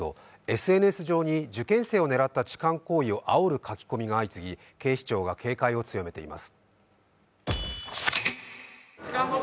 ＳＮＳ上に受験生を狙った痴漢行為をあおる書き込みが相次ぎ、警視庁が警戒を強めています。